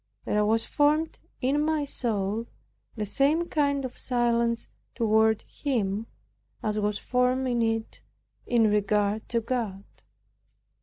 There was formed in my soul the same kind of silence toward him, as was formed in it in regard to God.